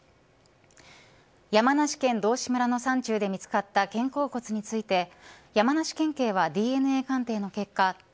山梨県道志村の山中で見つかった肩甲骨について山梨県警はＤＮＡ鑑定の結果